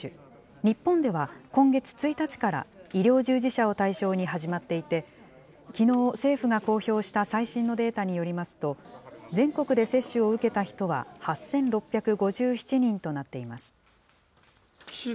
日本では今月１日から、医療従事者を対象に始まっていて、きのう、政府が公表した最新のデータによりますと、全国で接種を受けた人は８６５７人となっています。